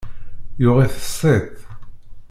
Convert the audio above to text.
Yuɣ-it s tiṭ.